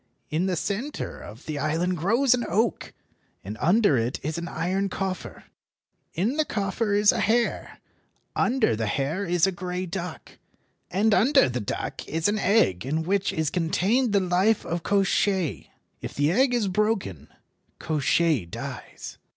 In the centre of the island grows an oak, and under it is an iron coffer. In the coffer is a hare, under the hare is a grey duck, and under the duck is an egg in which is contained the life of Koshchei. If the egg is broken, Koshchei dies."